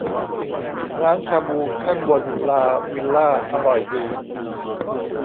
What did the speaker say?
ร้านชาบูข้างบนลาวิลล่าอร่อยดี